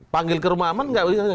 panggil ke rumah aman nggak boleh tanya